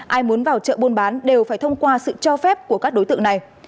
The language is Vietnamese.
ai muốn vào chợ buôn bán đều phải thông qua sự cho phép của các đối tượng này